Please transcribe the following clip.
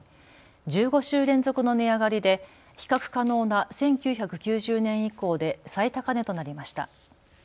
１５週連続の値上がりで比較可能な１９９０年以降で最高値となりました。